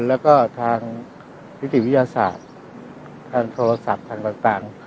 แล้วก็ทางนิติวิทยาศาสตร์ทางโทรศัพท์ทางต่าง